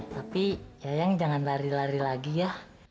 tapi yayang jangan lari lari lagi ya